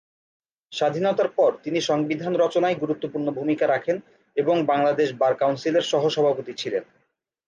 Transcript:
স্বাধীনতার পর তিনি সংবিধান রচনায় গুরুত্বপূর্ণ ভূমিকা রাখেন এবং বাংলাদেশ বার কাউন্সিলের সহ-সভাপতি ছিলেন।